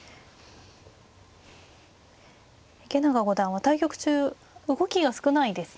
池永五段は対局中動きが少ないですね。